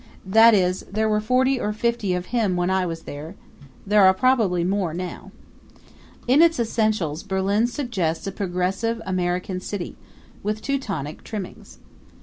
That is, there were forty or fifty of him when I was there. There are probably more now. In its essentials Berlin suggests a progressive American city, with Teutonic trimmings.